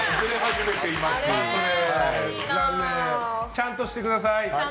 ちゃんとしてください。